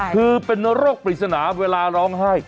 คือเป็นโรคปริศนาเวลาร้องไห้